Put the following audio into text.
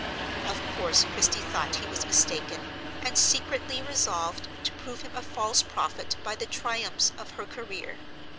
Of course Christie thought he was mistaken, and secretly resolved to prove him a false prophet by the triumphs of her career.